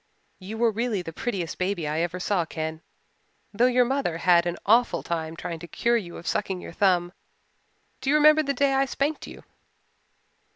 "You were really the prettiest baby I ever saw, Ken, though your mother had an awful time trying to cure you of sucking your thumb. Do you remember the day I spanked you?"